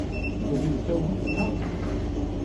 Because he was told not to come.